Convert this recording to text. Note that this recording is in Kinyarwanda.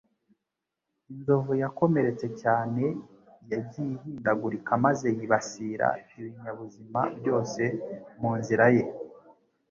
Inzovu yakomeretse cyane yagiye ihindagurika maze yibasira ibinyabuzima byose mu nzira ye